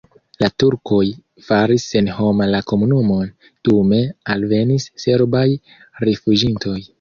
La turkoj faris senhoma la komunumon, dume alvenis serbaj rifuĝintoj.